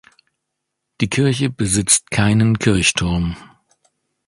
Die Kirche besitzt keinen Kirchturm.